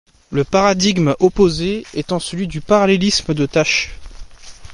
Le paradigme opposé étant celui du parallélisme de tâche.